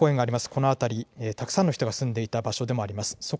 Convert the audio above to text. この辺り、たくさんの人が住んでいた場所でもあります。